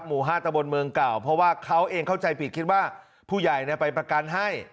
หมู่๕ตะบนเมืองเก่าเพราะว่าเขาเองเข้าใจผิดคิดว่าผู้ใหญ่ไปประกันให้